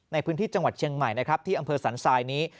ในพื้นที่จังหวัดเชียงใหม่ที่อำเภอสรรซายนี้